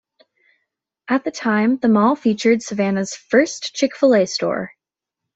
At the time, the mall featured Savannah's first Chick Fil-A store.